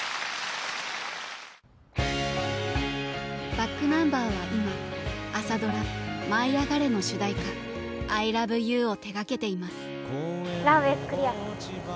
ｂａｃｋｎｕｍｂｅｒは今朝ドラ「舞いあがれ！」の主題歌「アイラブユー」を手がけています。